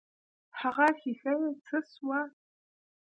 هغه ښيښه يې څه سوه.